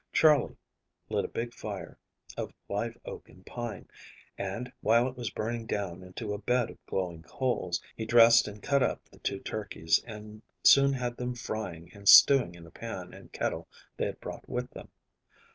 Charley lit a big fire of live oak and pine, and, while it was burning down into a bed of glowing coals, he dressed and cut up the two turkeys, and soon had them frying and stewing in the pan and kettle they had brought with them.